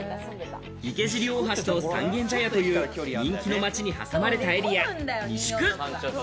池尻大橋と三軒茶屋という人気の街に挟まれたエリア、三宿。